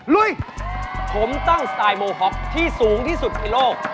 ลุยผมตั้งสไตล์โมฮ็อกที่สูงที่สุดในโลก